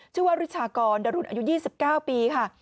ริชากรดรุนอายุ๒๙ปีค่ะ